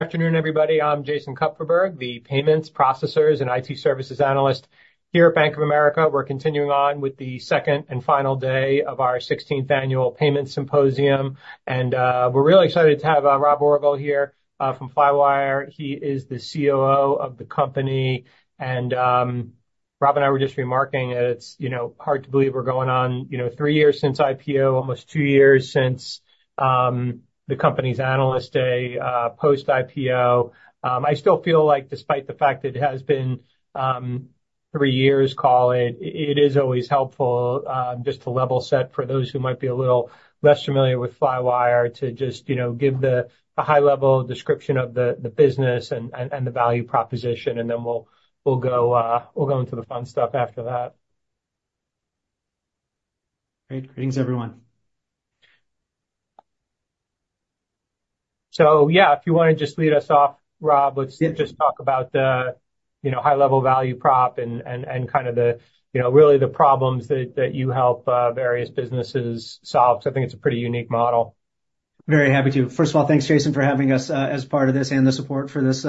Afternoon, everybody. I'm Jason Kupferberg, the payments processors and IT services analyst here at Bank of America. We're continuing on with the second and final day of our 16th annual payments symposium, and we're really excited to have Rob Orgel here from Flywire. He is the COO of the company, and Rob and I were just remarking that it's you know hard to believe we're going on you know 3 years since IPO, almost 2 years since the company's Analyst Day post-IPO. I still feel like despite the fact it has been 3 years call it it is always helpful just to level set for those who might be a little less familiar with Flywire to just you know give a high-level description of the the business and and and the value proposition, and then we'll we'll go we'll go into the fun stuff after that. Great. Greetings, everyone. So yeah, if you want to just lead us off, Rob, let's. Yeah. Just talk about the, you know, high-level value prop and kind of the, you know, really the problems that you help various businesses solve. So I think it's a pretty unique model. Very happy to. First of all, thanks, Jason, for having us, as part of this and the support for this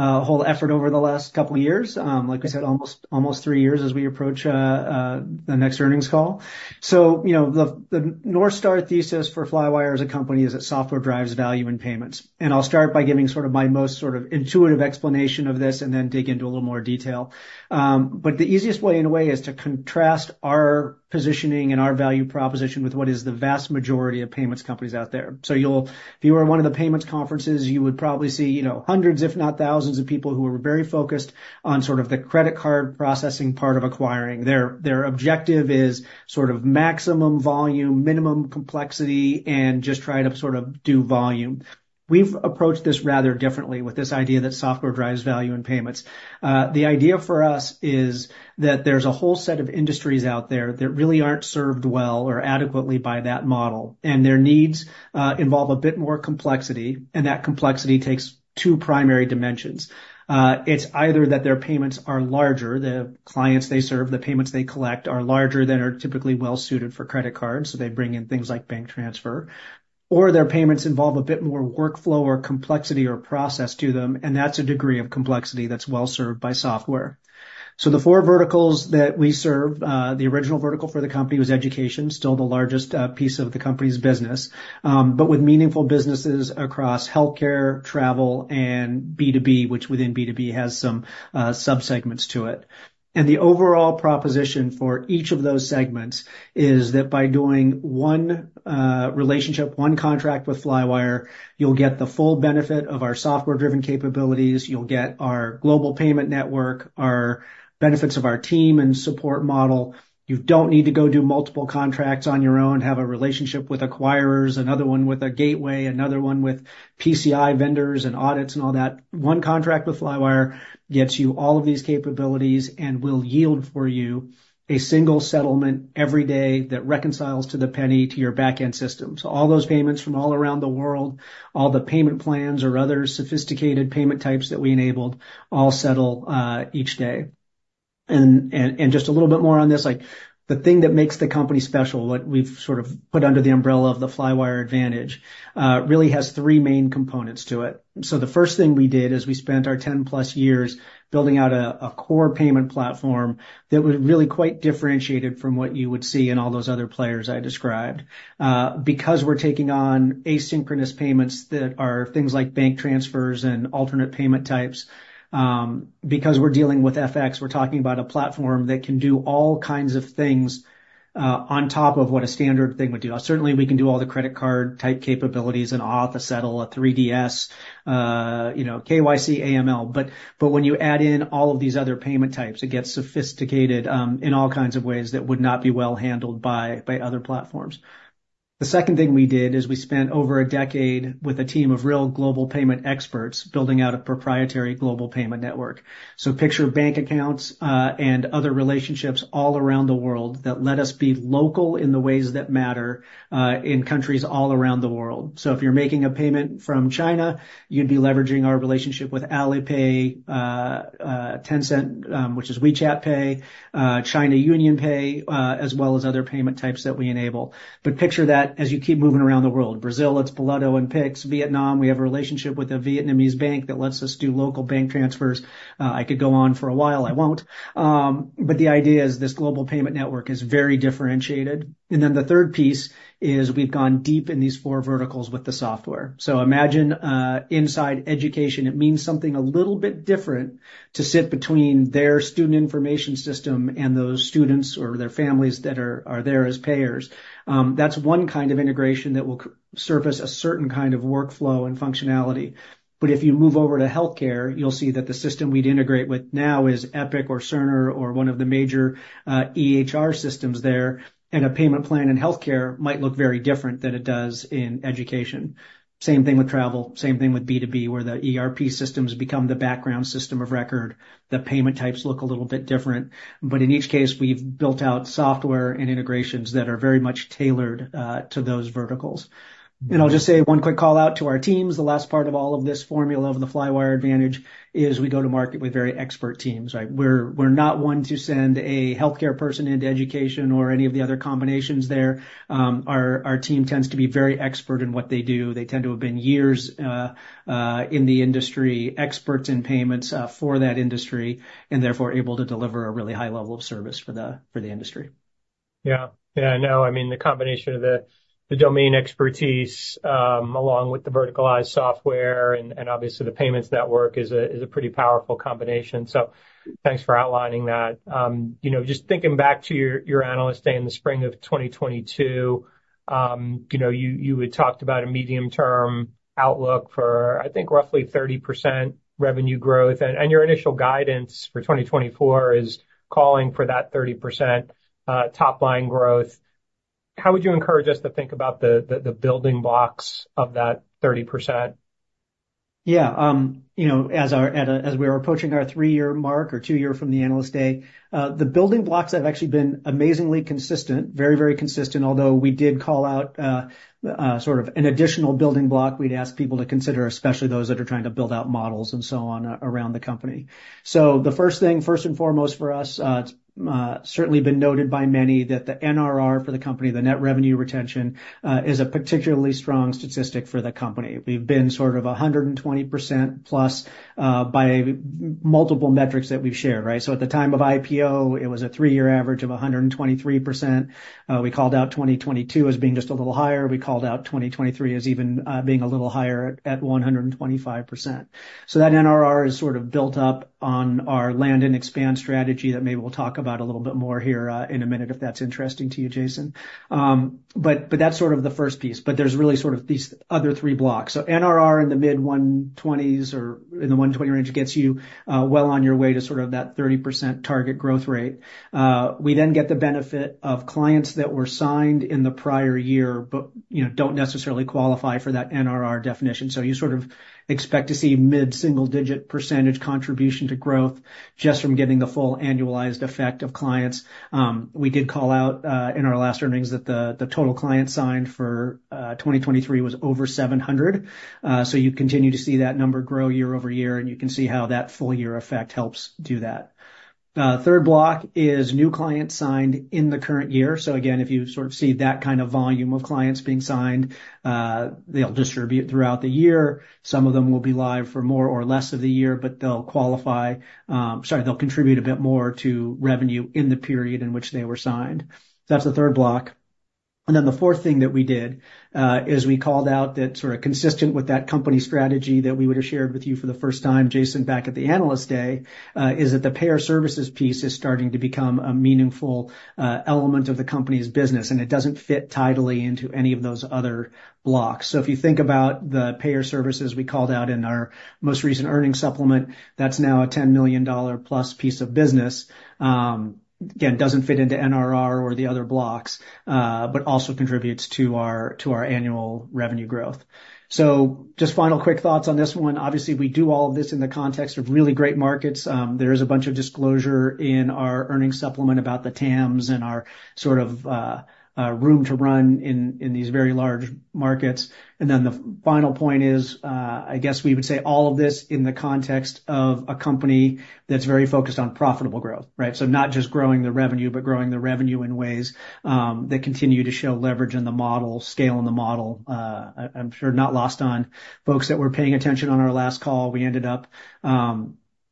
whole effort over the last couple of years. Like we said, almost, almost three years as we approach the next earnings call. So, you know, the North Star thesis for Flywire as a company is that software drives value in payments. And I'll start by giving sort of my most sort of intuitive explanation of this and then dig into a little more detail. The easiest way, in a way, is to contrast our positioning and our value proposition with what is the vast majority of payments companies out there. So, if you were at one of the payments conferences, you would probably see, you know, hundreds, if not thousands, of people who are very focused on sort of the credit card processing part of acquiring. Their objective is sort of maximum volume, minimum complexity, and just try to sort of do volume. We've approached this rather differently with this idea that software drives value in payments. The idea for us is that there's a whole set of industries out there that really aren't served well or adequately by that model, and their needs involve a bit more complexity, and that complexity takes two primary dimensions. It's either that their payments are larger, the clients they serve, the payments they collect, are larger than are typically well-suited for credit cards, so they bring in things like bank transfer, or their payments involve a bit more workflow or complexity or process to them, and that's a degree of complexity that's well-served by software. So the four verticals that we serve, the original vertical for the company was education, still the largest piece of the company's business, but with meaningful businesses across healthcare, travel, and B2B, which within B2B has some subsegments to it. And the overall proposition for each of those segments is that by doing one relationship, one contract with Flywire, you'll get the full benefit of our software-driven capabilities. You'll get our global payment network, our benefits of our team and support model. You don't need to go do multiple contracts on your own, have a relationship with acquirers, another one with a gateway, another one with PCI vendors and audits and all that. One contract with Flywire gets you all of these capabilities and will yield for you a single settlement every day that reconciles to the penny to your backend system. So all those payments from all around the world, all the payment plans or other sophisticated payment types that we enabled, all settle each day. And just a little bit more on this, like, the thing that makes the company special, what we've sort of put under the umbrella of the Flywire Advantage, really has three main components to it. So the first thing we did is we spent our 10+ years building out a core payment platform that was really quite differentiated from what you would see in all those other players I described, because we're taking on asynchronous payments that are things like bank transfers and alternate payment types, because we're dealing with FX. We're talking about a platform that can do all kinds of things, on top of what a standard thing would do. Certainly, we can do all the credit card-type capabilities: an auth, a settle, a 3DS, you know, KYC, AML. But, but when you add in all of these other payment types, it gets sophisticated, in all kinds of ways that would not be well-handled by, by other platforms. The second thing we did is we spent over a decade with a team of real global payment experts building out a proprietary global payment network. So picture bank accounts, and other relationships all around the world that let us be local in the ways that matter, in countries all around the world. So if you're making a payment from China, you'd be leveraging our relationship with Alipay, Tencent, which is WeChat Pay, China UnionPay, as well as other payment types that we enable. But picture that as you keep moving around the world: Brazil, it's Boleto and Pix; Vietnam, we have a relationship with a Vietnamese bank that lets us do local bank transfers. I could go on for a while. I won't. But the idea is this global payment network is very differentiated. And then the third piece is we've gone deep in these four verticals with the software. So imagine, inside education, it means something a little bit different to sit between their student information system and those students or their families that are, are there as payers. That's one kind of integration that will surface a certain kind of workflow and functionality. But if you move over to healthcare, you'll see that the system we'd integrate with now is Epic or Cerner or one of the major EHR systems there, and a payment plan in healthcare might look very different than it does in education. Same thing with travel, same thing with B2B, where the ERP systems become the background system of record. The payment types look a little bit different. But in each case, we've built out software and integrations that are very much tailored to those verticals. And I'll just say one quick call-out to our teams. The last part of all of this formula of the Flywire Advantage is we go to market with very expert teams, right? We're not one to send a healthcare person into education or any of the other combinations there. Our team tends to be very expert in what they do. They tend to have been years in the industry, experts in payments for that industry, and therefore able to deliver a really high level of service for the industry. Yeah. Yeah, no. I mean, the combination of the domain expertise, along with the verticalized software and obviously the payments network is a pretty powerful combination. So thanks for outlining that. You know, just thinking back to your Analyst Day in the spring of 2022, you know, you had talked about a medium-term outlook for, I think, roughly 30% revenue growth, and your initial guidance for 2024 is calling for that 30% top-line growth. How would you encourage us to think about the building blocks of that 30%? Yeah. You know, as we were approaching our three-year mark or two-year from the Analyst Day, the building blocks have actually been amazingly consistent, very, very consistent, although we did call out, sort of an additional building block we'd ask people to consider, especially those that are trying to build out models and so on, around the company. So the first thing, first and foremost for us, it's certainly been noted by many that the NRR for the company, the net revenue retention, is a particularly strong statistic for the company. We've been sort of 120%+, by multiple metrics that we've shared, right? So at the time of IPO, it was a three-year average of 123%. We called out 2022 as being just a little higher. We called out 2023 as even being a little higher at 125%. So that NRR is sort of built up on our land and expand strategy that maybe we'll talk about a little bit more here in a minute if that's interesting to you, Jason. But that's sort of the first piece. But there's really sort of these other three blocks. So NRR in the mid-120s or in the 120 range gets you well on your way to sort of that 30% target growth rate. We then get the benefit of clients that were signed in the prior year but, you know, don't necessarily qualify for that NRR definition. So you sort of expect to see mid-single-digit percent contribution to growth just from getting the full annualized effect of clients. We did call out in our last earnings that the total clients signed for 2023 was over 700. So you continue to see that number grow year-over-year, and you can see how that full-year effect helps do that. Third block is new clients signed in the current year. So again, if you sort of see that kind of volume of clients being signed, they'll distribute throughout the year. Some of them will be live for more or less of the year, but they'll qualify, sorry, they'll contribute a bit more to revenue in the period in which they were signed. So that's the third block. And then the fourth thing that we did is we called out that sort of consistent with that company strategy that we would have shared with you for the first time, Jason, back at the Analyst Day, is that the Payer Services piece is starting to become a meaningful element of the company's business, and it doesn't fit tidily into any of those other blocks. So if you think about the Payer Services we called out in our most recent earnings supplement, that's now a $10 million+ piece of business. Again, doesn't fit into NRR or the other blocks, but also contributes to our to our annual revenue growth. So just final quick thoughts on this one. Obviously, we do all of this in the context of really great markets. There is a bunch of disclosure in our earnings supplement about the TAMs and our sort of, room to run in, in these very large markets. And then the final point is, I guess we would say all of this in the context of a company that's very focused on profitable growth, right? So not just growing the revenue but growing the revenue in ways, that continue to show leverage in the model, scale in the model. I'm sure not lost on folks that were paying attention on our last call, we ended up,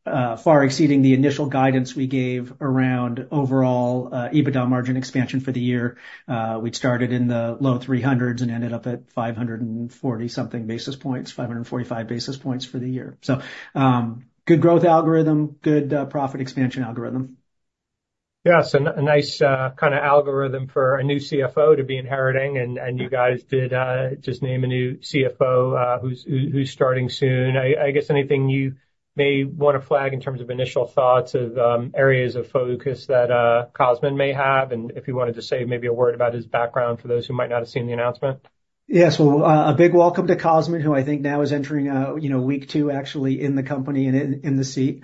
far exceeding the initial guidance we gave around overall, EBITDA margin expansion for the year. We'd started in the low 300s and ended up at 540-something basis points, 545 basis points for the year. So, good growth algorithm, good, profit expansion algorithm. Yeah, so nice kind of algorithm for a new CFO to be inheriting, and you guys did just name a new CFO, who's starting soon. I guess anything you may want to flag in terms of initial thoughts of areas of focus that Cosmin may have and if you wanted to say maybe a word about his background for those who might not have seen the announcement? Yes. Well, a big welcome to Cosmin, who I think now is entering, you know, week two, actually, in the company and in the seat.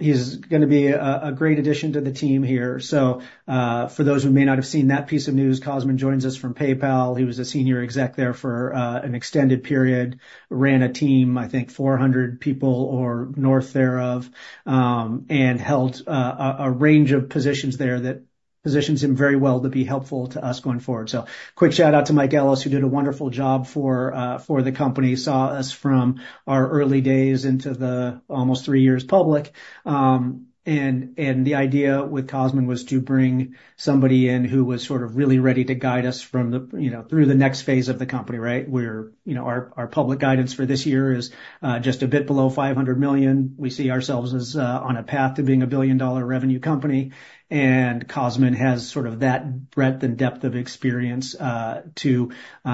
He's going to be a great addition to the team here. So, for those who may not have seen that piece of news, Cosmin joins us from PayPal. He was a senior exec there for an extended period, ran a team, I think, 400 people or north thereof, and held a range of positions there that positions him very well to be helpful to us going forward. So quick shout-out to Mike Ellis, who did a wonderful job for the company, saw us from our early days into the almost three years public. The idea with Cosmin was to bring somebody in who was sort of really ready to guide us from the, you know, through the next phase of the company, right? We're, you know, our, our public guidance for this year is, just a bit below $500 million. We see ourselves as, on a path to being a billion-dollar revenue company, and Cosmin has sort of that breadth and depth of experience, to,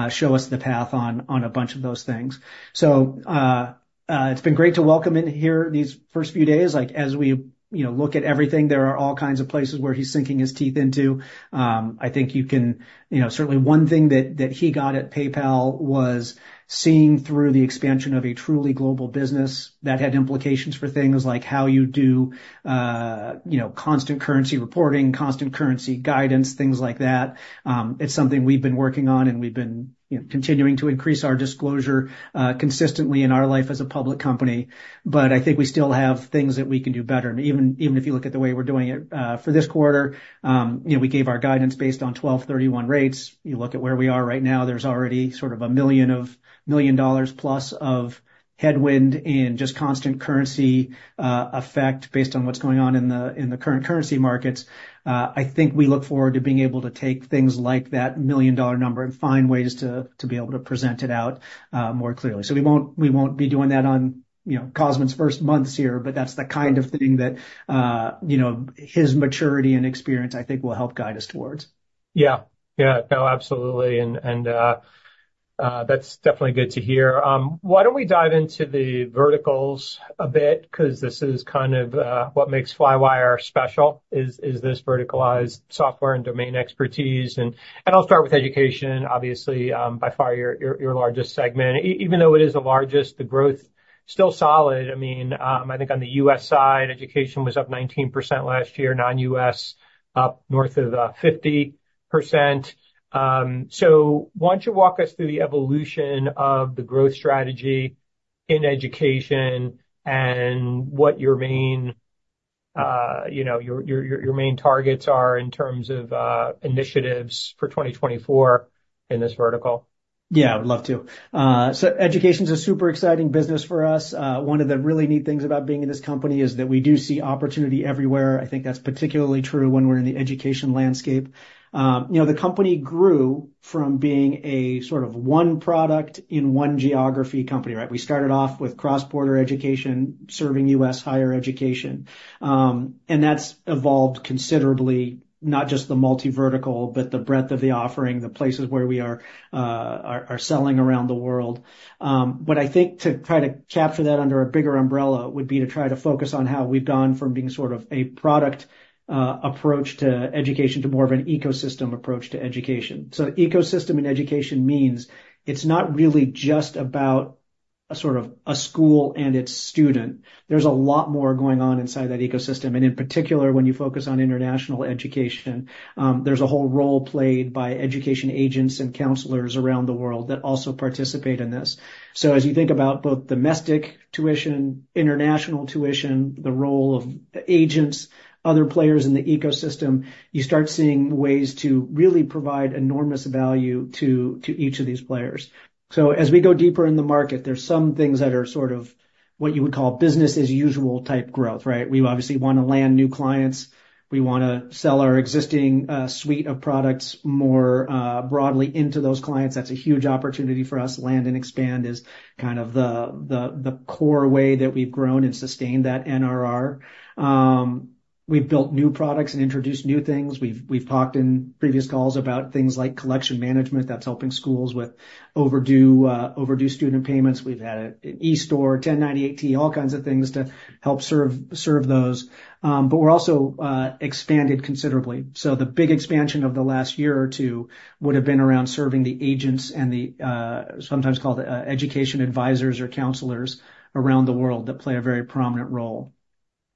show us the path on, on a bunch of those things. So, it's been great to welcome him here these first few days. Like, as we, you know, look at everything, there are all kinds of places where he's sinking his teeth into. I think you can, you know, certainly one thing that, that he got at PayPal was seeing through the expansion of a truly global business that had implications for things like how you do, you know, constant currency reporting, constant currency guidance, things like that. It's something we've been working on, and we've been, you know, continuing to increase our disclosure, consistently in our life as a public company. But I think we still have things that we can do better. Even, even if you look at the way we're doing it, for this quarter, you know, we gave our guidance based on 12/31 rates. You look at where we are right now, there's already sort of $1 million or so of headwind in just constant currency effect based on what's going on in the current currency markets. I think we look forward to being able to take things like that $1 million number and find ways to be able to present it out more clearly. So we won't be doing that on, you know, Cosmin's first months here, but that's the kind of thing that, you know, his maturity and experience, I think, will help guide us towards. Yeah. Yeah. No, absolutely. And, that's definitely good to hear. Why don't we dive into the verticals a bit? 'Cause this is kind of, what makes Flywire special, is this verticalized software and domain expertise. And, I'll start with education, obviously, by far your largest segment. Even though it is the largest, the growth's still solid. I mean, I think on the U.S. side, education was up 19% last year, non-U.S., up north of 50%. So why don't you walk us through the evolution of the growth strategy in education and what your main, you know, main targets are in terms of initiatives for 2024 in this vertical? Yeah, I would love to. So, education's a super exciting business for us. One of the really neat things about being in this company is that we do see opportunity everywhere. I think that's particularly true when we're in the education landscape. You know, the company grew from being a sort of one product in one geography company, right? We started off with cross-border education serving U.S. higher education. That's evolved considerably, not just the multi-vertical but the breadth of the offering, the places where we are selling around the world. But I think to try to capture that under a bigger umbrella would be to try to focus on how we've gone from being sort of a product approach to education to more of an ecosystem approach to education. So ecosystem in education means it's not really just about a sort of a school and its student. There's a lot more going on inside that ecosystem. And in particular, when you focus on international education, there's a whole role played by education agents and counselors around the world that also participate in this. So as you think about both domestic tuition, international tuition, the role of agents, other players in the ecosystem, you start seeing ways to really provide enormous value to, to each of these players. So as we go deeper in the market, there's some things that are sort of what you would call business-as-usual type growth, right? We obviously want to land new clients. We want to sell our existing, suite of products more, broadly into those clients. That's a huge opportunity for us. Land and expand is kind of the core way that we've grown and sustained that NRR. We've built new products and introduced new things. We've talked in previous calls about things like collection management. That's helping schools with overdue student payments. We've had an e-store, 1098-T, all kinds of things to help serve those. But we're also expanded considerably. So the big expansion of the last year or two would have been around serving the agents and the sometimes called education advisors or counselors around the world that play a very prominent role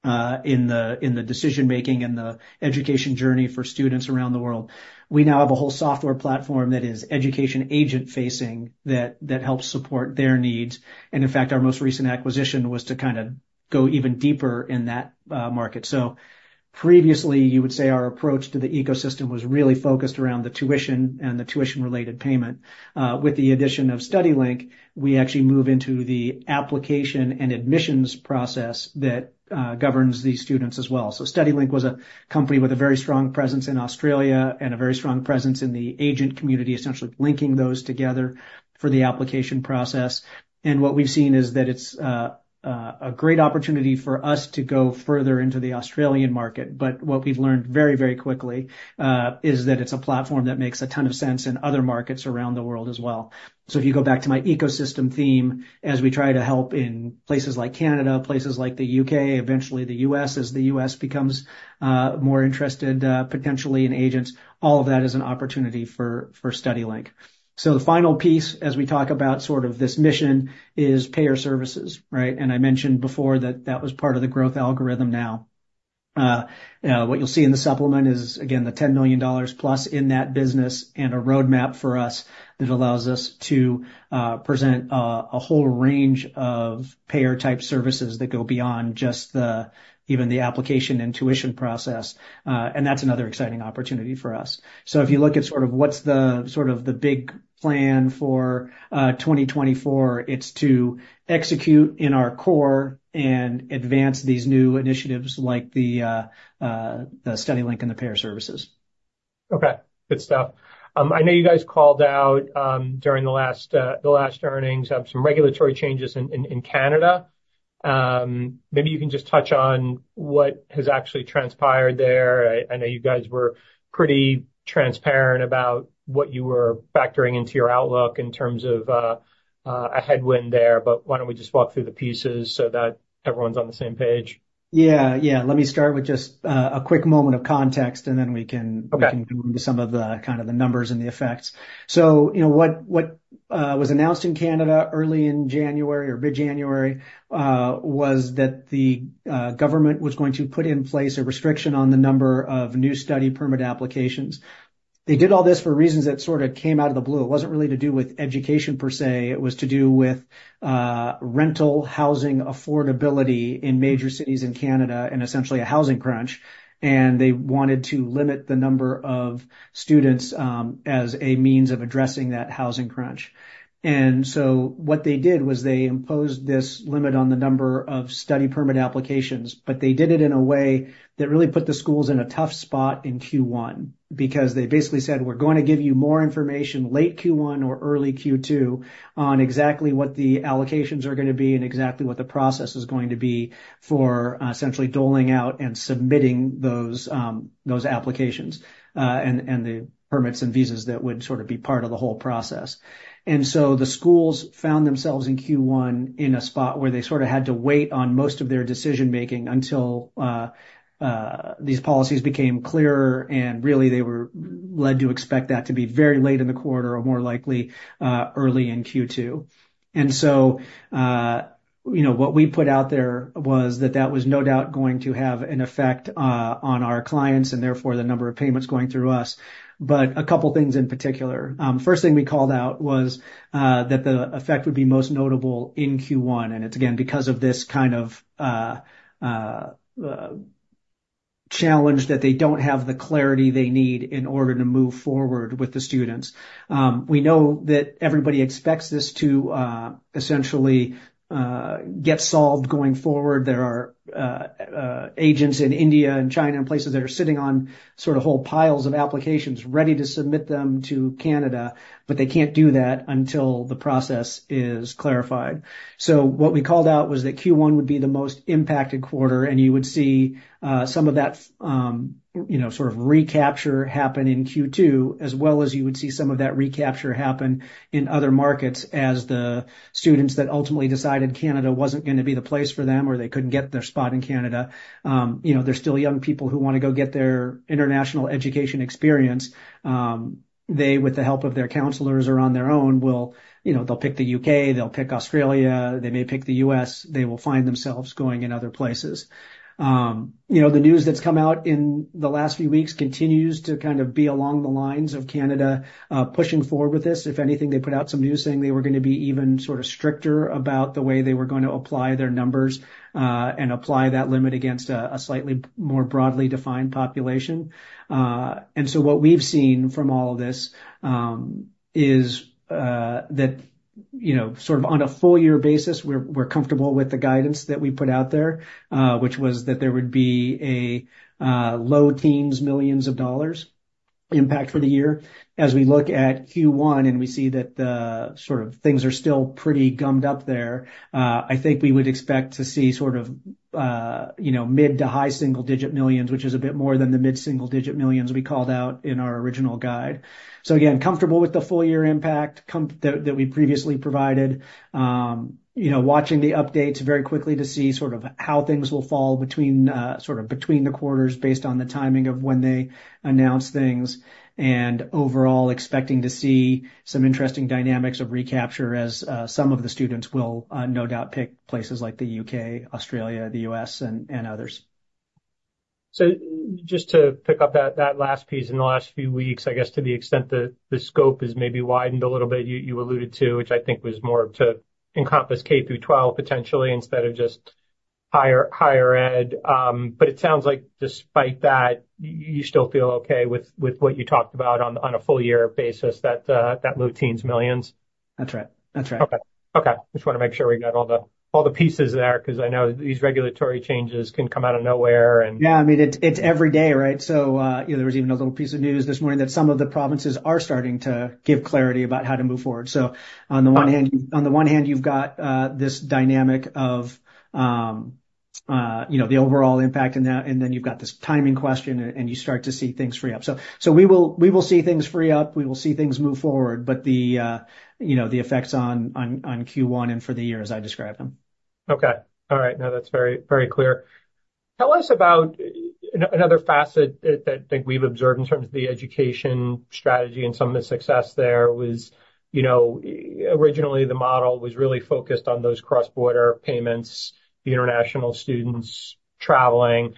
in the decision-making and the education journey for students around the world. We now have a whole software platform that is education agent-facing that helps support their needs. And in fact, our most recent acquisition was to kind of go even deeper in that market. So previously, you would say our approach to the ecosystem was really focused around the tuition and the tuition-related payment. With the addition of StudyLink, we actually move into the application and admissions process that governs these students as well. So StudyLink was a company with a very strong presence in Australia and a very strong presence in the agent community, essentially linking those together for the application process. And what we've seen is that it's a great opportunity for us to go further into the Australian market. But what we've learned very, very quickly is that it's a platform that makes a ton of sense in other markets around the world as well. So if you go back to my ecosystem theme, as we try to help in places like Canada, places like the U.K., eventually the U.S. as the U.S. becomes more interested, potentially in agents, all of that is an opportunity for StudyLink. So the final piece, as we talk about sort of this mission, is Payer Services, right? And I mentioned before that that was part of the growth algorithm now. What you'll see in the supplement is, again, the $10 million+ in that business and a roadmap for us that allows us to present a whole range of payer-type services that go beyond just even the application and tuition process, and that's another exciting opportunity for us. So if you look at sort of what's the sort of the big plan for 2024, it's to execute in our core and advance these new initiatives like the, the StudyLink and the Payer Services. Okay. Good stuff. I know you guys called out, during the last earnings, some regulatory changes in Canada. Maybe you can just touch on what has actually transpired there. I know you guys were pretty transparent about what you were factoring into your outlook in terms of a headwind there, but why don't we just walk through the pieces so that everyone's on the same page? Yeah. Yeah. Let me start with just a quick moment of context, and then we can go into some of the kind of the numbers and the effects. So, you know, what was announced in Canada early in January or mid-January was that the government was going to put in place a restriction on the number of new study permit applications. They did all this for reasons that sort of came out of the blue. It wasn't really to do with education per se. It was to do with rental housing affordability in major cities in Canada and essentially a housing crunch. They wanted to limit the number of students as a means of addressing that housing crunch. What they did was they imposed this limit on the number of study permit applications, but they did it in a way that really put the schools in a tough spot in Q1 because they basically said, "We're going to give you more information late Q1 or early Q2 on exactly what the allocations are going to be and exactly what the process is going to be for, essentially doling out and submitting those, those applications, and, and the permits and visas that would sort of be part of the whole process." The schools found themselves in Q1 in a spot where they sort of had to wait on most of their decision-making until these policies became clearer, and really, they were led to expect that to be very late in the quarter or more likely, early in Q2. And so, you know, what we put out there was that that was no doubt going to have an effect on our clients and therefore the number of payments going through us. But a couple of things in particular. First thing we called out was that the effect would be most notable in Q1. And it's again because of this kind of challenge that they don't have the clarity they need in order to move forward with the students. We know that everybody expects this to essentially get solved going forward. There are agents in India and China and places that are sitting on sort of whole piles of applications ready to submit them to Canada, but they can't do that until the process is clarified. So what we called out was that Q1 would be the most impacted quarter, and you would see some of that, you know, sort of recapture happen in Q2, as well as you would see some of that recapture happen in other markets as the students that ultimately decided Canada wasn't going to be the place for them or they couldn't get their spot in Canada. You know, there's still young people who want to go get their international education experience. They, with the help of their counselors or on their own, will, you know, they'll pick the U.K. They'll pick Australia. They may pick the U.S. They will find themselves going in other places. You know, the news that's come out in the last few weeks continues to kind of be along the lines of Canada pushing forward with this. If anything, they put out some news saying they were going to be even sort of stricter about the way they were going to apply their numbers, and apply that limit against a slightly more broadly defined population. So what we've seen from all of this is that, you know, sort of on a full-year basis, we're comfortable with the guidance that we put out there, which was that there would be a low-teens millions of dollars impact for the year. As we look at Q1 and we see that the sort of things are still pretty gummed up there, I think we would expect to see sort of, you know, mid- to high single-digit millions, which is a bit more than the mid-single-digit millions we called out in our original guide. So again, comfortable with the full-year impact from that that we previously provided. You know, watching the updates very quickly to see sort of how things will fall between, sort of between the quarters based on the timing of when they announce things and overall expecting to see some interesting dynamics of recapture as some of the students will, no doubt, pick places like the U.K., Australia, the U.S., and others. So just to pick up that last piece in the last few weeks, I guess to the extent that the scope has maybe widened a little bit, you alluded to, which I think was more to encompass K through 12 potentially instead of just higher ed, but it sounds like despite that, you still feel okay with what you talked about on a full-year basis, that low-teens millions? That's right. That's right. Okay. Okay. Just want to make sure we got all the pieces there because I know these regulatory changes can come out of nowhere and. Yeah. I mean, it's every day, right? So, you know, there was even a little piece of news this morning that some of the provinces are starting to give clarity about how to move forward. So on the one hand, you've got this dynamic of, you know, the overall impact in that, and then you've got this timing question, and you start to see things free up. So we will see things free up. We will see things move forward, but the, you know, the effects on Q1 and for the year as I describe them. Okay. All right. No, that's very, very clear. Tell us about another facet that, that I think we've observed in terms of the education strategy and some of the success there was, you know, originally, the model was really focused on those cross-border payments, the international students traveling.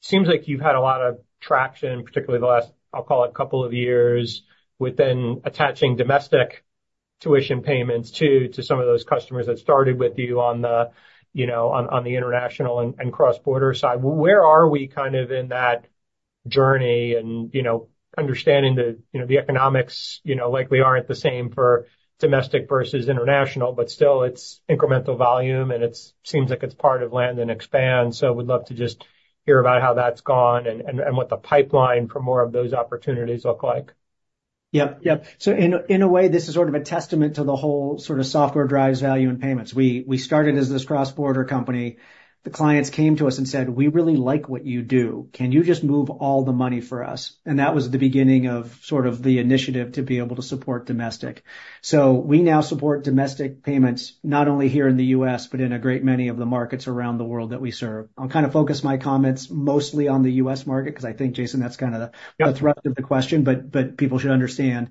Seems like you've had a lot of traction, particularly the last, I'll call it, couple of years, within attaching domestic tuition payments too, to some of those customers that started with you on the, you know, on, on the international and, and cross-border side. Where are we kind of in that journey and, you know, understanding the, you know, the economics, you know, likely aren't the same for domestic versus international, but still, it's incremental volume, and it seems like it's part of Land and Expand. We'd love to just hear about how that's gone and what the pipeline for more of those opportunities look like. Yep. Yep. So in a in a way, this is sort of a testament to the whole sort of software drives value and payments. We, we started as this cross-border company. The clients came to us and said, "We really like what you do. Can you just move all the money for us?" And that was the beginning of sort of the initiative to be able to support domestic. So we now support domestic payments not only here in the U.S. but in a great many of the markets around the world that we serve. I'll kind of focus my comments mostly on the U.S. market because I think, Jason, that's kind of the thrust of the question, but, but people should understand,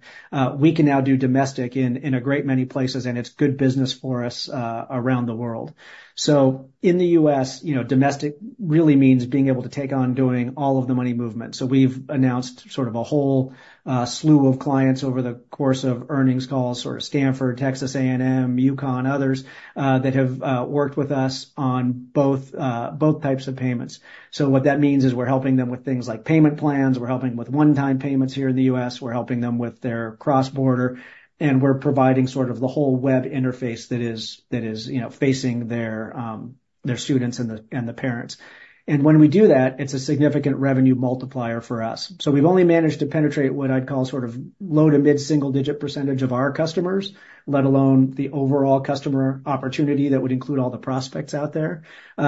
we can now do domestic in, in a great many places, and it's good business for us, around the world. So in the U.S., you know, domestic really means being able to take on doing all of the money movement. So we've announced sort of a whole slew of clients over the course of earnings calls, sort of Stanford, Texas A&M, UConn, others, that have worked with us on both types of payments. So what that means is we're helping them with things like payment plans. We're helping with one-time payments here in the U.S. We're helping them with their cross-border, and we're providing sort of the whole web interface that is, you know, facing their students and the parents. And when we do that, it's a significant revenue multiplier for us. So we've only managed to penetrate what I'd call sort of low to mid-single-digit percentage of our customers, let alone the overall customer opportunity that would include all the prospects out there.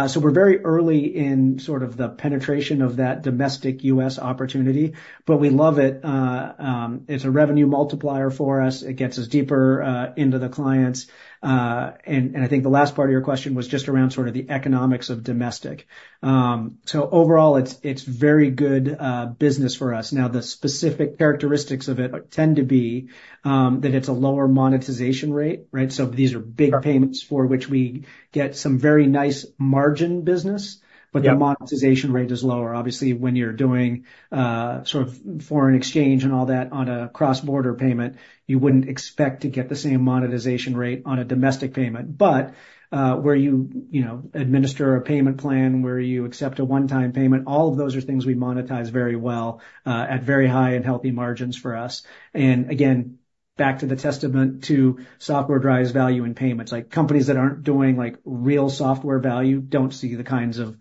So we're very early in sort of the penetration of that domestic U.S. opportunity, but we love it. It's a revenue multiplier for us. It gets us deeper into the clients. I think the last part of your question was just around sort of the economics of domestic. So overall, it's very good business for us. Now, the specific characteristics of it tend to be that it's a lower monetization rate, right? So these are big payments for which we get some very nice margin business, but the monetization rate is lower. Obviously, when you're doing sort of foreign exchange and all that on a cross-border payment, you wouldn't expect to get the same monetization rate on a domestic payment. But where you, you know, administer a payment plan, where you accept a one-time payment, all of those are things we monetize very well, at very high and healthy margins for us. And again, back to the testament to software drives value and payments. Like, companies that aren't doing, like, real software value don't see the kinds of,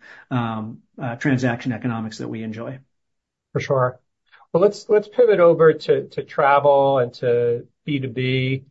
transaction economics that we enjoy. For sure. Well, let's pivot over to travel and to B2B.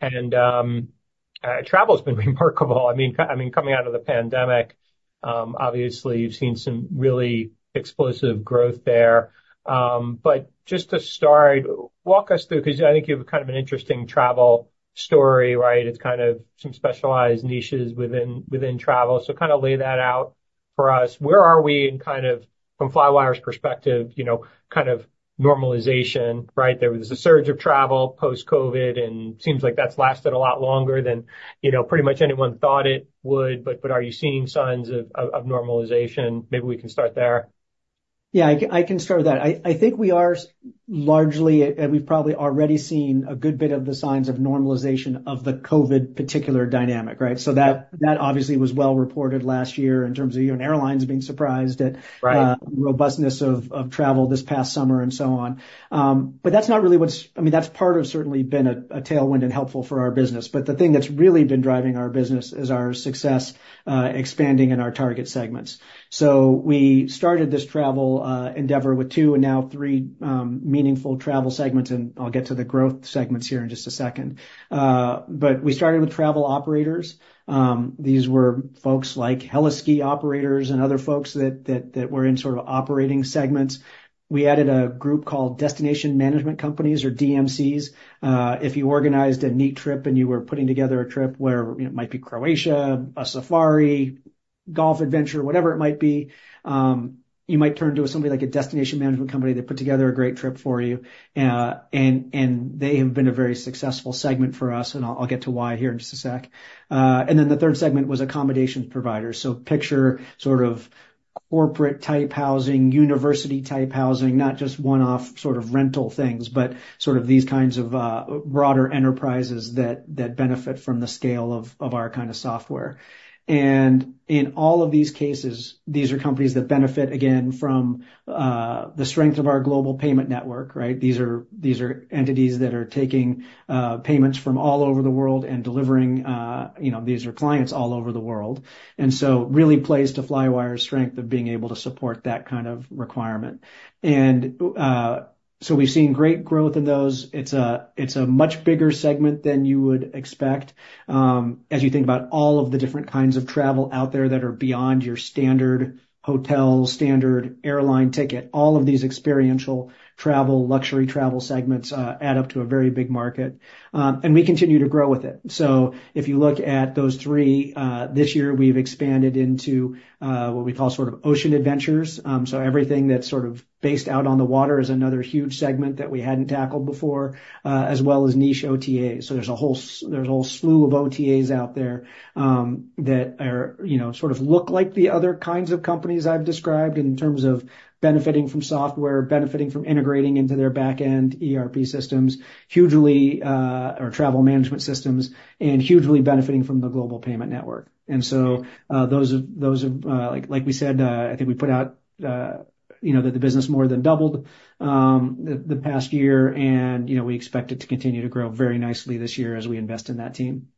Yep. Travel's been remarkable. I mean, I mean, coming out of the pandemic, obviously, you've seen some really explosive growth there. But just to start, walk us through because I think you have kind of an interesting travel story, right? It's kind of some specialized niches within, within travel. So kind of lay that out for us. Where are we in kind of, from Flywire's perspective, you know, kind of normalization, right? There was a surge of travel post-COVID, and it seems like that's lasted a lot longer than, you know, pretty much anyone thought it would. But, but are you seeing signs of, of, of normalization? Maybe we can start there. Yeah. I can start with that. I think we are largely and we've probably already seen a good bit of the signs of normalization of the COVID particular dynamic, right? So that obviously was well-reported last year in terms of, you know, airlines being surprised at the robustness of travel this past summer and so on. But that's not really what's – I mean, that's part of – certainly been a tailwind and helpful for our business. But the thing that's really been driving our business is our success, expanding in our target segments. So we started this travel endeavor with 2 and now 3 meaningful travel segments, and I'll get to the growth segments here in just a second. But we started with travel operators. These were folks like heli-ski operators and other folks that were in sort of operating segments. We added a group called Destination Management Companies or DMCs. If you organized a neat trip and you were putting together a trip where, you know, it might be Croatia, a safari, golf adventure, whatever it might be, you might turn to somebody like a Destination Management Company that put together a great trip for you. And, and they have been a very successful segment for us, and I'll, I'll get to why here in just a sec. And then the third segment was accommodation providers. So picture sort of corporate-type housing, university-type housing, not just one-off sort of rental things, but sort of these kinds of, broader enterprises that, that benefit from the scale of, of our kind of software. And in all of these cases, these are companies that benefit, again, from, the strength of our global payment network, right? These are entities that are taking payments from all over the world and delivering, you know, these are clients all over the world. And so really plays to Flywire's strength of being able to support that kind of requirement. And so we've seen great growth in those. It's a much bigger segment than you would expect. As you think about all of the different kinds of travel out there that are beyond your standard hotel, standard airline ticket, all of these experiential travel, luxury travel segments, add up to a very big market. And we continue to grow with it. So if you look at those three, this year, we've expanded into what we call sort of ocean adventures. So everything that's sort of based out on the water is another huge segment that we hadn't tackled before, as well as niche OTAs. So there's a whole slew of OTAs out there that are, you know, sort of look like the other kinds of companies I've described in terms of benefiting from software, benefiting from integrating into their backend ERP systems hugely or travel management systems, and hugely benefiting from the global payment network. And so, those have, like, like we said, I think we put out, you know, that the business more than doubled the past year, and, you know, we expect it to continue to grow very nicely this year as we invest in that team.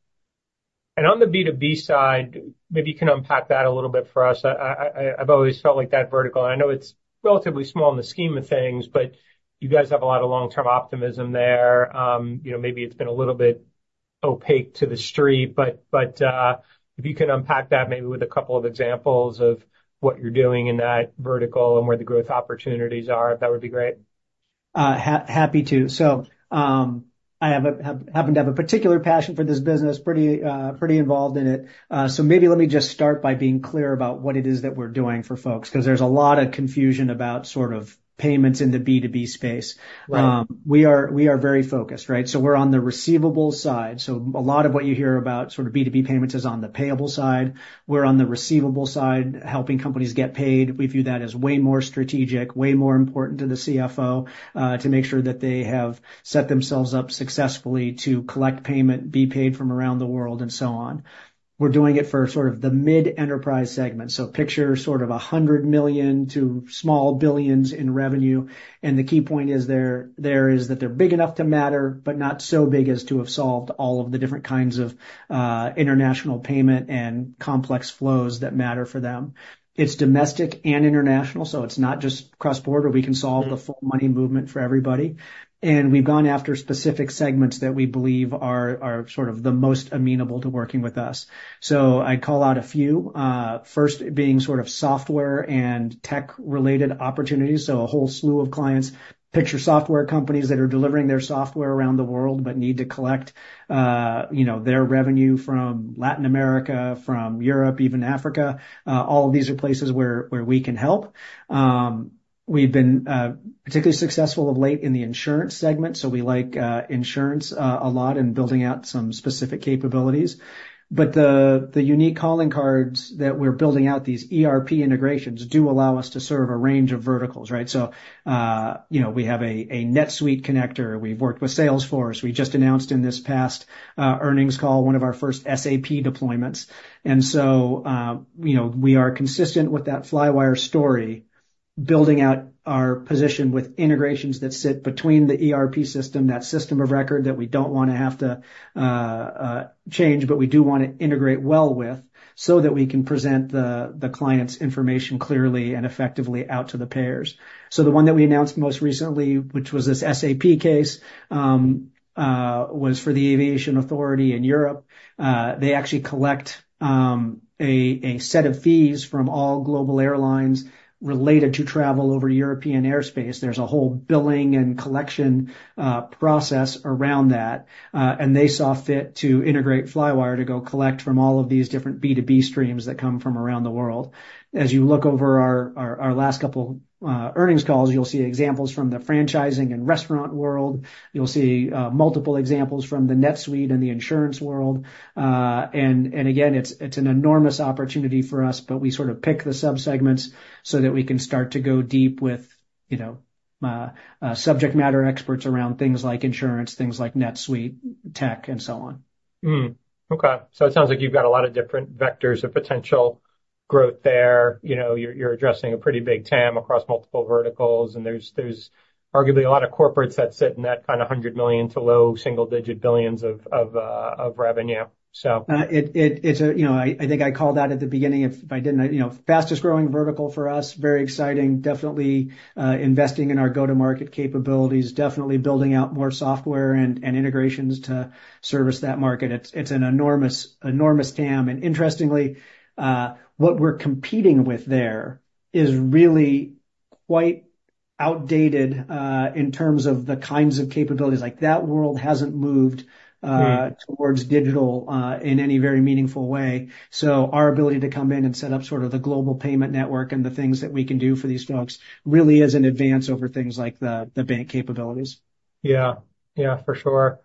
On the B2B side, maybe you can unpack that a little bit for us. I've always felt like that vertical, and I know it's relatively small in the scheme of things, but you guys have a lot of long-term optimism there. You know, maybe it's been a little bit opaque to the street, but if you can unpack that maybe with a couple of examples of what you're doing in that vertical and where the growth opportunities are, that would be great. Happy to. So, I happen to have a particular passion for this business, pretty, pretty involved in it. So maybe let me just start by being clear about what it is that we're doing for folks because there's a lot of confusion about sort of payments in the B2B space. Right. We are very focused, right? So we're on the receivable side. So a lot of what you hear about sort of B2B payments is on the payable side. We're on the receivable side, helping companies get paid. We view that as way more strategic, way more important to the CFO, to make sure that they have set themselves up successfully to collect payment, be paid from around the world, and so on. We're doing it for sort of the mid-enterprise segment. So picture sort of $100 million to small billions in revenue. And the key point is that they're big enough to matter but not so big as to have solved all of the different kinds of international payment and complex flows that matter for them. It's domestic and international, so it's not just cross-border. We can solve the full money movement for everybody. We've gone after specific segments that we believe are sort of the most amenable to working with us. So I'd call out a few, first being sort of software and tech-related opportunities, so a whole slew of clients. Picture software companies that are delivering their software around the world but need to collect, you know, their revenue from Latin America, from Europe, even Africa. All of these are places where we can help. We've been particularly successful of late in the insurance segment, so we like insurance a lot and building out some specific capabilities. But the unique calling cards that we're building out, these ERP integrations, do allow us to serve a range of verticals, right? So, you know, we have a NetSuite connector. We've worked with Salesforce. We just announced in this past earnings call one of our first SAP deployments. And so, you know, we are consistent with that Flywire story, building out our position with integrations that sit between the ERP system, that system of record that we don't want to have to change, but we do want to integrate well with so that we can present the client's information clearly and effectively out to the payers. So the one that we announced most recently, which was this SAP case, was for the Aviation Authority in Europe. They actually collect a set of fees from all global airlines related to travel over European airspace. There's a whole billing and collection process around that. And they saw fit to integrate Flywire to go collect from all of these different B2B streams that come from around the world. As you look over our last couple earnings calls, you'll see examples from the franchising and restaurant world. You'll see multiple examples from the NetSuite and the insurance world. Again, it's an enormous opportunity for us, but we sort of pick the subsegments so that we can start to go deep with, you know, subject matter experts around things like insurance, things like NetSuite, tech, and so on. Okay. So it sounds like you've got a lot of different vectors of potential growth there. You know, you're, you're addressing a pretty big TAM across multiple verticals, and there's, there's arguably a lot of corporates that sit in that kind of $100 million to low single-digit billions of, of, of revenue, so. It's a, you know, I think I called that at the beginning if I didn't. You know, fastest-growing vertical for us, very exciting, definitely investing in our go-to-market capabilities, definitely building out more software and integrations to service that market. It's an enormous TAM. And interestingly, what we're competing with there is really quite outdated, in terms of the kinds of capabilities. Like, that world hasn't moved towards digital in any very meaningful way. So our ability to come in and set up sort of the global payment network and the things that we can do for these folks really is an advance over things like the bank capabilities. Yeah. Yeah, for sure.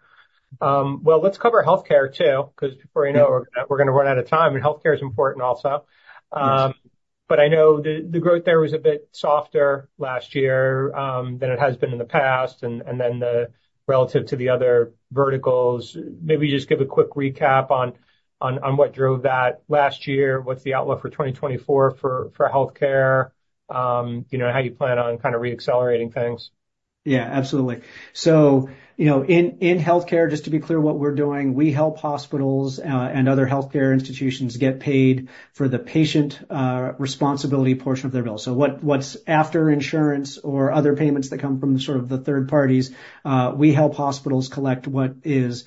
Well, let's cover healthcare too because before you know it, we're going to run out of time, and healthcare is important also. But I know the growth there was a bit softer last year than it has been in the past, and then relative to the other verticals. Maybe you just give a quick recap on what drove that last year. What's the outlook for 2024 for healthcare? You know, how you plan on kind of reaccelerating things. Yeah, absolutely. So, you know, in healthcare, just to be clear what we're doing, we help hospitals and other healthcare institutions get paid for the patient responsibility portion of their bill. So what's after insurance or other payments that come from sort of the third parties, we help hospitals collect what is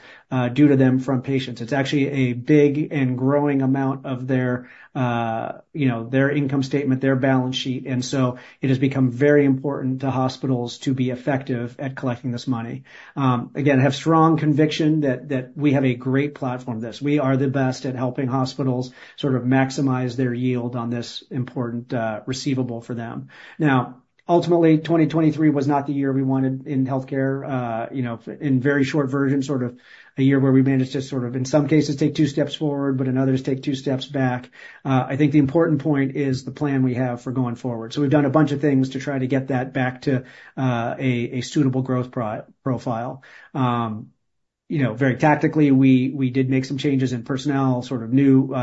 due to them from patients. It's actually a big and growing amount of their, you know, their income statement, their balance sheet. And so it has become very important to hospitals to be effective at collecting this money. Again, have strong conviction that we have a great platform for this. We are the best at helping hospitals sort of maximize their yield on this important receivable for them. Now, ultimately, 2023 was not the year we wanted in healthcare. You know, in very short version, sort of a year where we managed to sort of, in some cases, take two steps forward, but in others, take two steps back. I think the important point is the plan we have for going forward. So we've done a bunch of things to try to get that back to a suitable growth profile. You know, very tactically, we did make some changes in personnel, sort of new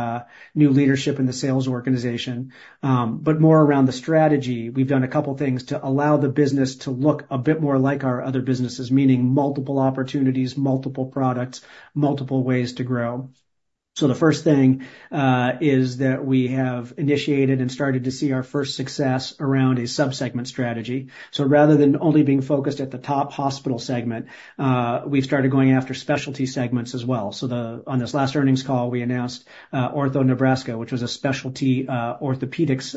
leadership in the sales organization. But more around the strategy, we've done a couple of things to allow the business to look a bit more like our other businesses, meaning multiple opportunities, multiple products, multiple ways to grow. So the first thing is that we have initiated and started to see our first success around a subsegment strategy. So rather than only being focused at the top hospital segment, we've started going after specialty segments as well. So, on this last earnings call, we announced OrthoNebraska, which was a specialty, orthopedics,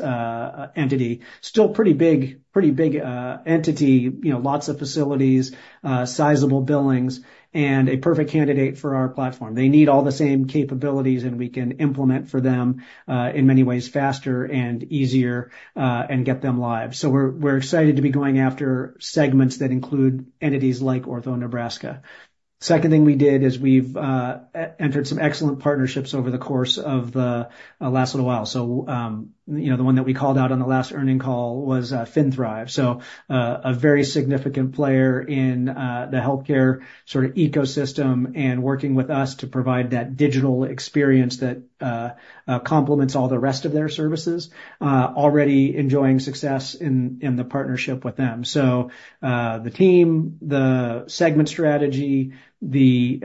entity, still pretty big, pretty big, entity, you know, lots of facilities, sizable billings, and a perfect candidate for our platform. They need all the same capabilities, and we can implement for them, in many ways faster and easier, and get them live. So we're, we're excited to be going after segments that include entities like OrthoNebraska. Second thing we did is we've entered some excellent partnerships over the course of the last little while. So, you know, the one that we called out on the last earnings call was FinThrive. So, a very significant player in the healthcare sort of ecosystem and working with us to provide that digital experience that complements all the rest of their services, already enjoying success in the partnership with them. So, the team, the segment strategy, the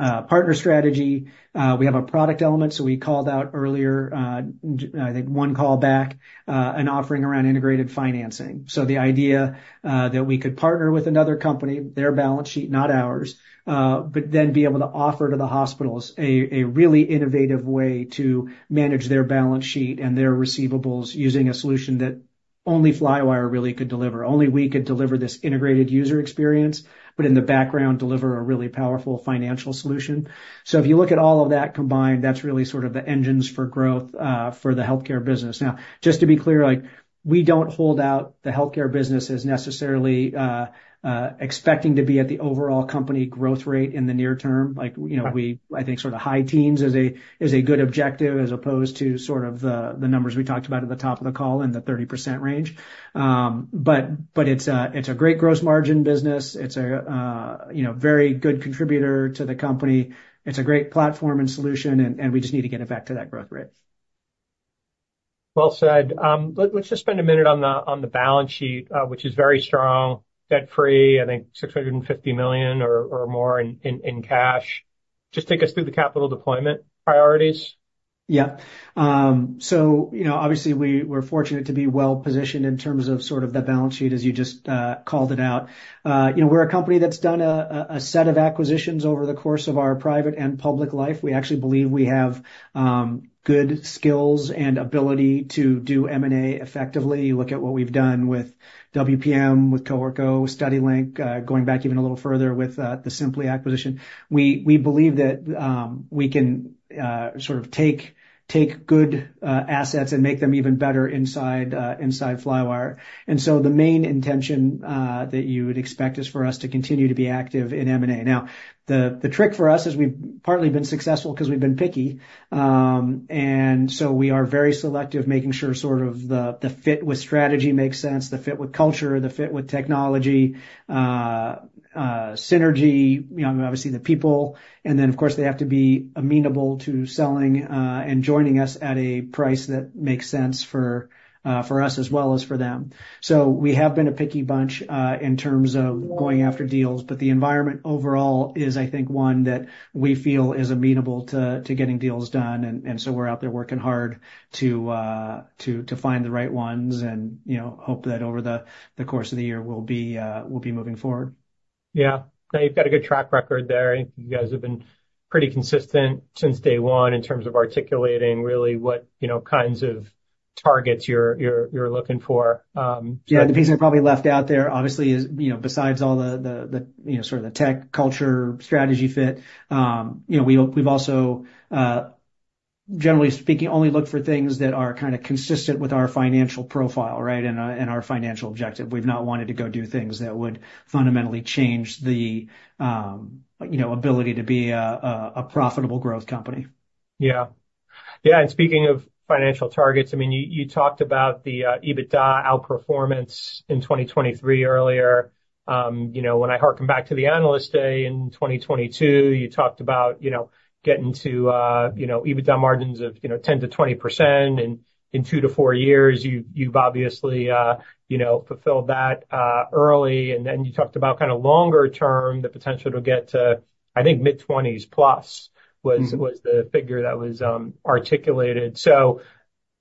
partner strategy, we have a product element, so we called out earlier, I think one call back, an offering around Integrated Financing. So the idea that we could partner with another company, their balance sheet, not ours, but then be able to offer to the hospitals a really innovative way to manage their balance sheet and their receivables using a solution that only Flywire really could deliver. Only we could deliver this integrated user experience, but in the background, deliver a really powerful financial solution. So if you look at all of that combined, that's really sort of the engines for growth, for the healthcare business. Now, just to be clear, like, we don't hold out the healthcare business as necessarily, expecting to be at the overall company growth rate in the near term. Like, you know, we, I think, sort of high teens is a good objective as opposed to sort of the, the numbers we talked about at the top of the call in the 30% range. But it's a great gross margin business. It's a, you know, very good contributor to the company. It's a great platform and solution, and we just need to get it back to that growth rate. Well said. Let's just spend a minute on the balance sheet, which is very strong, debt-free, I think $650 million or more in cash. Just take us through the capital deployment priorities. Yeah. So, you know, obviously, we're fortunate to be well-positioned in terms of sort of the balance sheet, as you just called it out. You know, we're a company that's done a set of acquisitions over the course of our private and public life. We actually believe we have good skills and ability to do M&A effectively. You look at what we've done with WPM, with Cohort Go, with StudyLink, going back even a little further with the Simplee acquisition. We believe that we can sort of take good assets and make them even better inside Flywire. And so the main intention that you would expect is for us to continue to be active in M&A. Now, the trick for us is we've partly been successful because we've been picky. And so we are very selective, making sure sort of the fit with strategy makes sense, the fit with culture, the fit with technology, synergy, you know, obviously, the people, and then, of course, they have to be amenable to selling, and joining us at a price that makes sense for us as well as for them. So we have been a picky bunch, in terms of going after deals, but the environment overall is, I think, one that we feel is amenable to getting deals done. And so we're out there working hard to find the right ones and, you know, hope that over the course of the year, we'll be moving forward. Yeah. Now, you've got a good track record there. I think you guys have been pretty consistent since day one in terms of articulating really what, you know, kinds of targets you're looking for. So. Yeah. The piece I probably left out there, obviously, is, you know, besides all the, you know, sort of the tech culture strategy fit, you know, we've also, generally speaking, only looked for things that are kind of consistent with our financial profile, right, and our financial objective. We've not wanted to go do things that would fundamentally change the, you know, ability to be a profitable growth company. Yeah. Yeah. And speaking of financial targets, I mean, you, you talked about the, EBITDA outperformance in 2023 earlier. You know, when I hearken back to the Analyst Day in 2022, you talked about, you know, getting to, you know, EBITDA margins of, you know, 10%-20% in, in 2-4 years. You've, you've obviously, you know, fulfilled that, early. And then you talked about kind of longer term, the potential to get to, I think, mid-20s plus was, was the figure that was, articulated. So,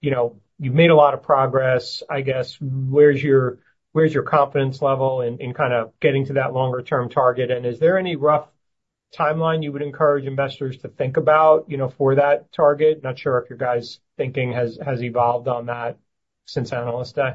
you know, you've made a lot of progress. I guess where's your where's your confidence level in, in kind of getting to that longer-term target? And is there any rough timeline you would encourage investors to think about, you know, for that target? Not sure if your guys' thinking has, has evolved on that since Analyst Day.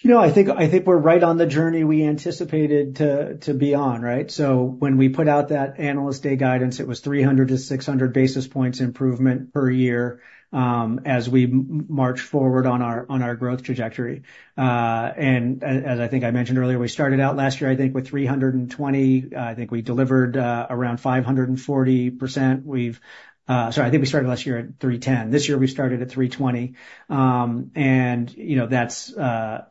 You know, I think I think we're right on the journey we anticipated to, to be on, right? So when we put out that Analyst Day guidance, it was 300 basis points -600 basis points improvement per year, as we march forward on our on our growth trajectory. And as, as I think I mentioned earlier, we started out last year, I think, with 320. I think we delivered around 540%. We've, sorry, I think we started last year at 310. This year, we started at 320. And, you know, that's, you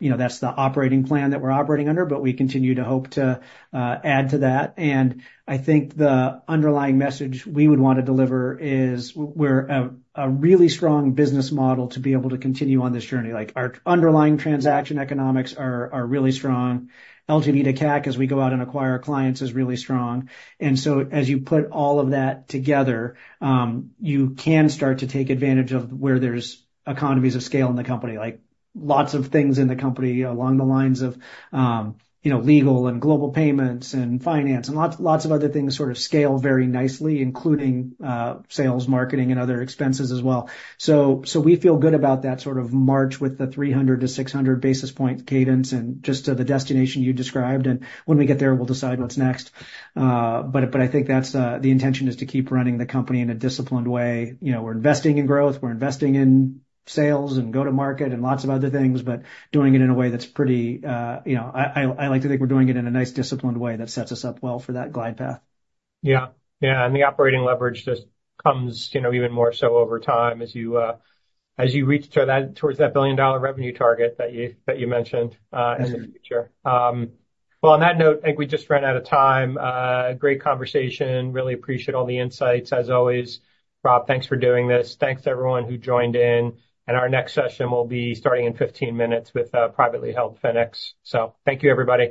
know, that's the operating plan that we're operating under, but we continue to hope to add to that. And I think the underlying message we would want to deliver is we're a, a really strong business model to be able to continue on this journey. Like, our underlying transaction economics are, are really strong. LTV/CAC, as we go out and acquire clients, is really strong. And so as you put all of that together, you can start to take advantage of where there's economies of scale in the company, like lots of things in the company along the lines of, you know, legal and global payments and finance and lots, lots of other things sort of scale very nicely, including sales, marketing, and other expenses as well. So, so we feel good about that sort of march with the 300 basis points-600 basis point cadence and just to the destination you described. And when we get there, we'll decide what's next. But, but I think that's the intention is to keep running the company in a disciplined way. You know, we're investing in growth. We're investing in sales and go-to-market and lots of other things, but doing it in a way that's pretty, you know, I like to think we're doing it in a nice disciplined way that sets us up well for that glide path. Yeah. Yeah. And the operating leverage just comes, you know, even more so over time as you, as you reach toward that billion-dollar revenue target that you that you mentioned, in the future. Well, on that note, I think we just ran out of time. Great conversation. I really appreciate all the insights, as always. Rob, thanks for doing this. Thanks to everyone who joined in. And our next session will be starting in 15 minutes with privately held Flexe. So thank you, everybody.